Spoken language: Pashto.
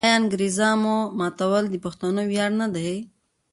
آیا د انګریزامو ماتول د پښتنو ویاړ نه دی؟